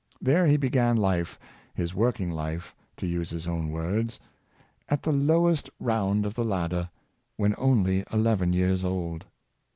There he began life, his working life, to use his own words, " at the low est round of the ladder," when only eleven years old.